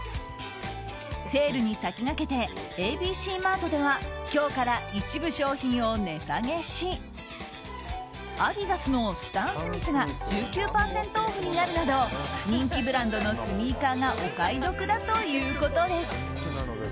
セールに先駆けてＡＢＣマートでは今日から一部商品を値下げしアディダスのスタンスミスが１９％オフになるなど人気ブランドのスニーカーがお買い得だということです。